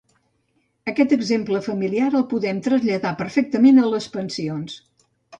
Aquest exemple familiar el podem traslladar perfectament a les pensions.